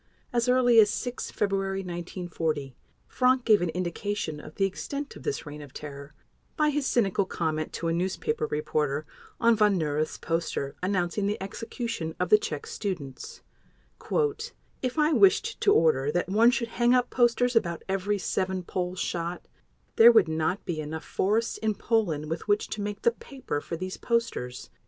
As early as 6 February 1940, Frank gave an indication of the extent of this reign of terror by his cynical comment to a newspaper reporter on Von Neurath's poster announcing the execution of the Czech students: "If I wished to order that one should hang up posters about every seven Poles shot, there would not be enough forests in Poland with which to make the paper for these posters."